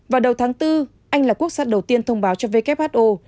vào đầu tháng bốn anh là quốc gia đầu tiên thông báo cho who